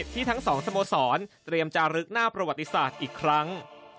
ทั้งสองสโมสรเตรียมจารึกหน้าประวัติศาสตร์อีกครั้ง